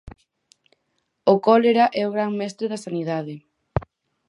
O cólera é o gran mestre da sanidade.